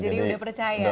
jadi udah percaya